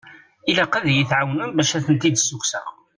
Ilaq ad yi-tɛawnem bac ad ten-id-sukkseɣ.